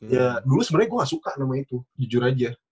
ya dulu sebenarnya gue gak suka nama itu jujur aja